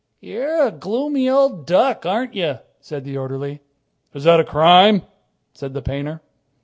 "You're a gloomy old duck, aren't you?" said the orderly. "Is that a crime?" said the painter.